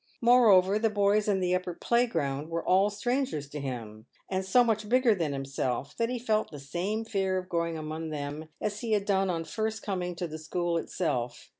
Moreover, the boys in the upper playground were all strangers to him, and so much bigger than himself, that he felt the same fear of going among them as he had done on first coming to the school itself.